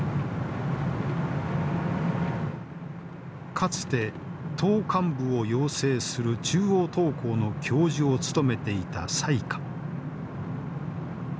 かつて党幹部を養成する中央党校の教授を務めていた蔡霞。